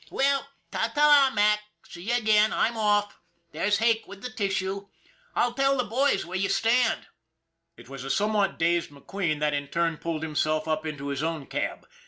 Well, ta ta, Mac, see you again. I'm off. There's Hake with the tissue. I'll tell the boys where you stand." It was a somewhat dazed McQueen that in turn pulled himself up into his own cab.